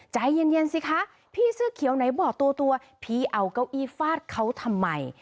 ใจเย็นสิคะพี่เสื้อเขียวไหนบอกตัวพี่เอาเก้าอี้ฟาดเขาทำไม